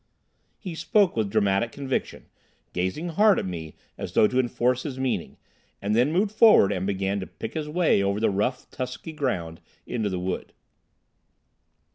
He spoke with dramatic conviction, gazing hard at me as though to enforce his meaning, and then moved forward and began to pick his way over the rough, tussocky ground into the wood.